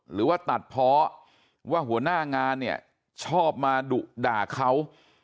หรือว่าตัดเพราะว่าหัวหน้างานเนี่ยชอบมาดุด่าเขา